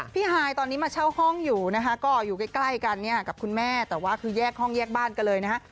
ฮายตอนนี้มาเช่าห้องอยู่นะคะก็อยู่ใกล้กันเนี่ยกับคุณแม่แต่ว่าคือแยกห้องแยกบ้านกันเลยนะฮะ